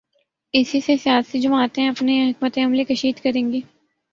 اسی سے سیاسی جماعتیں اپنی حکمت عملی کشید کریں گی۔